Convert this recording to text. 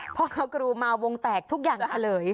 พอเขากรูมาวงแตกทุกอย่างเฉลย